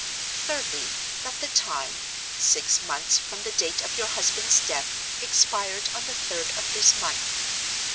Thirdly, that the time (six months from the date of your husband's death) expired on the third of this month.